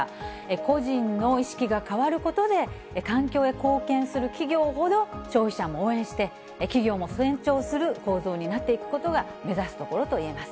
個人の意識が変わることで、環境へ貢献する企業ほど消費者も応援して、企業も成長する構造になっていくことが目指すところといえます。